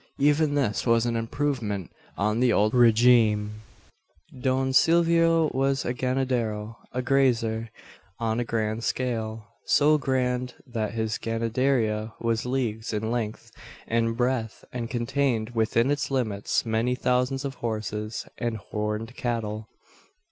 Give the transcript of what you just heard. Even this was an improvement on the old regime. Don Silvio was a ganadero, a grazier, on a grand scale. So grand that his ganaderia was leagues in length and breadth, and contained within its limits many thousands of horses and horned cattle.